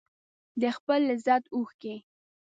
د خپل لذت اوښکې